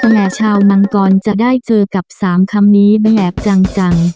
แต่ชาวมังกรจะได้เจอกับ๓คำนี้แบบจัง